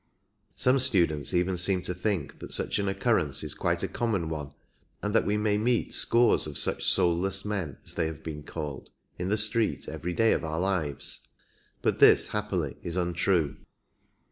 Some students even seem to think that such an occurrence is quite a common one, and that we may meet scores of such " soulless men," as they have been called, in the street every day of our lives, but this, happily, is untrue.